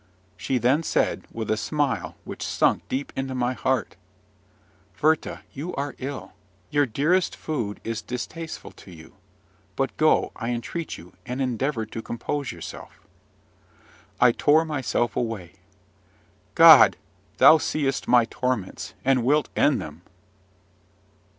She then said, with a smile which sunk deep into my heart, "Werther, you are ill: your dearest food is distasteful to you. But go, I entreat you, and endeavour to compose yourself." I tore myself away. God, thou seest my torments, and wilt end them!